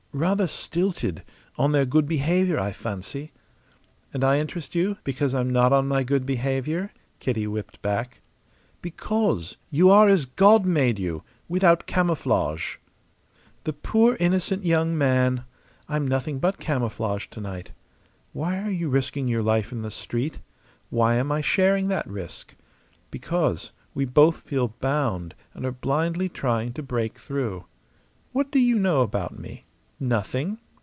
Rather stilted on their good behaviour, I fancy." "And I interest you because I'm not on my good behaviour?" Kitty whipped back. "Because you are as God made you without camouflage." "The poor innocent young man! I'm nothing but camouflage to night. Why are you risking your life in the street? Why am I sharing that risk? Because we both feel bound and are blindly trying to break through. What do you know about me? Nothing.